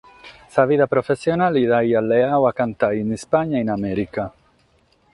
Sa vida professionale dd’aiat leadu a cantare in Ispagna e in Amèrica.